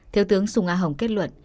thiếu tướng sùng a hồng kết luận